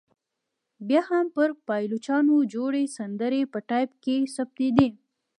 بیا هم پر پایلوچانو جوړې سندرې په ټایپ کې ثبتېدې.